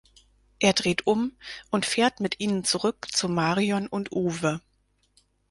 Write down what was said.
Er dreht um und fährt mit ihnen zurück zu Marion und Uwe.